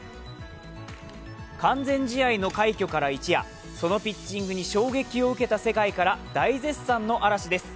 完全試合の快挙から一夜、そのピッチングに衝撃を受けた世界から大絶賛の嵐です。